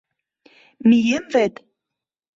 Мием вет...